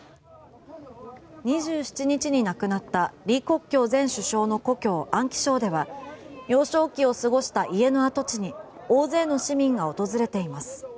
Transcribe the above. ２７日に亡くなった李克強前首相の故郷・安徽省では幼少期を過ごした家の跡地に大勢の市民が訪れています。